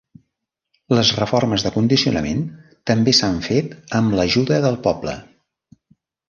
Les reformes de condicionament també s'han fet amb l'ajuda del poble.